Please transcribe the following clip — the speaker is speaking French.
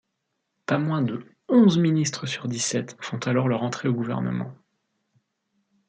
Pas moins de onze ministres sur dix-sept font alors leur entrée au gouvernement.